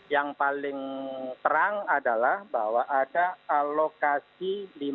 yang paling terang adalah bahwa ada alokasi